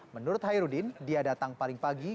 menurut hairudin dia datang paling pagi